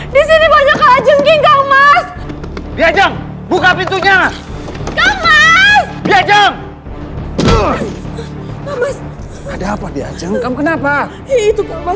di situ ada kalajengking kang mas